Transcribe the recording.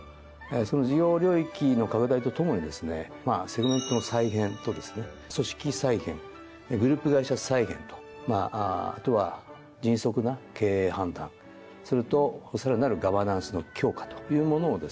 その事業領域の拡大とともにですねセグメントの再編とですね組織再編グループ会社再編とまああとは迅速な経営判断それとさらなるガバナンスの強化というものをですね